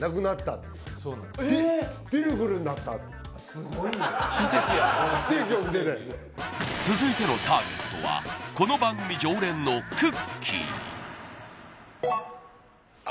すごいよ奇跡が起きててん続いてのターゲットはこの番組常連のくっきー！